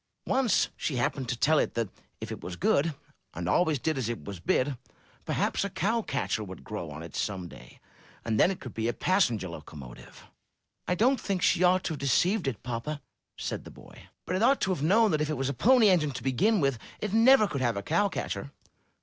Once she happened to tell it that if it was good and always did what it was bid, perhaps a cow catcher would grow on it some day, and then it could be a passenger locomotive/' '1 don't think she ought to have deceived it, papa," said the boy. '*But it ought to have known that if it was a Pony Engine to begin with, it never could have a cow catcher."